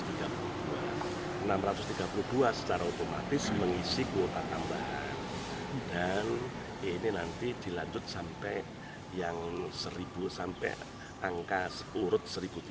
dan ini nanti dilanjut sampai yang seribu sampai angka urut satu tiga ratus